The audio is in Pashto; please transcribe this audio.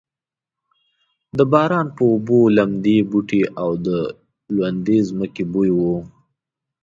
د باران په اوبو لمدې بوټې او د لوندې ځمکې بوی و.